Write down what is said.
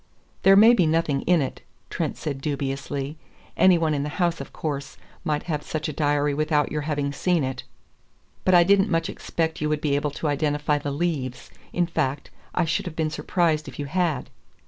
"There may be nothing in it," Trent said dubiously. "Any one in the house, of course, might have such a diary without your having seen it. But I didn't much expect you would be able to identify the leaves in fact, I should have been surprised if you had."